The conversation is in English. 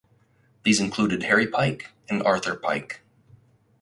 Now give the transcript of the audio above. These included Harry Pike and Arthur Pike.